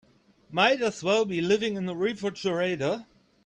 Might as well be living in a refrigerator.